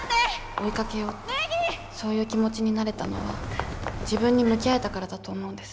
追いかけようってそういう気持ちになれたのは自分に向き合えたからだと思うんです。